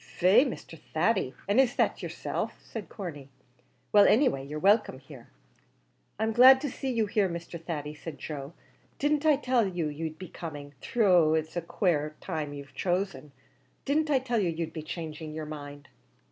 "Faix, Mr. Thady, and is that yerself?" said Corney; "well, anyway you're welcome here." "I'm glad to see you here, Mr. Thady," said Joe; "didn't I tell you you'd be coming? though it's a quare time you've chosen. Didn't I tell you you'd be changing your mind?"